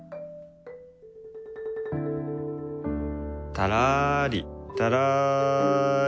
たらりたらり。